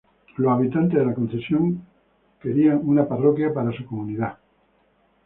Los habitantes de la concesión quieran una parroquia para su comunidad.